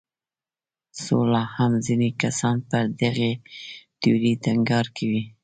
خو لا هم ځینې کسان پر دغې تیورۍ ټینګار کوي.